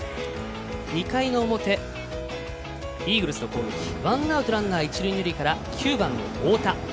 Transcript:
２回の表、イーグルスの攻撃ワンアウト、ランナー一塁二塁から９番の太田。